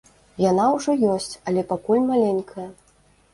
Яна ўжо ёсць, але пакуль маленькая.